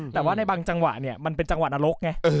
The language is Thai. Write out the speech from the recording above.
แต่ว่าในบางจังหวะเนี่ยมันเป็นจังหวะนรกไง